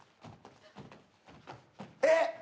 えっ！